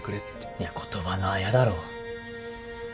いや言葉のあやだろ。